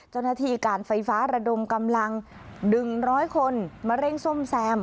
จนนาทีการไฟฟ้าระดมกำลังดึงร้อยคนมาเร่งส้มแซม